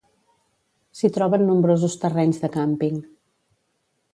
S'hi troben nombrosos terrenys de càmping.